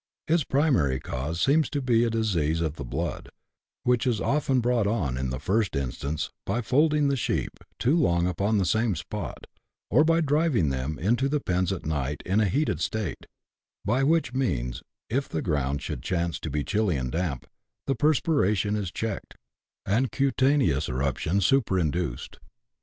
Its primary cause seems to be a disease of the blood, which is often brought on in the first instance by folding the sheep too long upon the same spot, or by driving them into the pens at night in a heated state, by which means, if the ground should chance to be chilly and damp, the perspiration is checked, and cutaneous eruption superinduced.